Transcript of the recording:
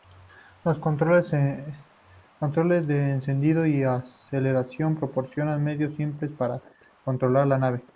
Los controles de encendido y aceleración proporcionan medios simples para controlar la nave.